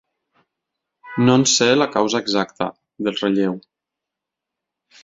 No en sé la causa exacta, del relleu.